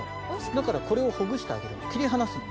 だからこれをほぐしてあげる切り離すの。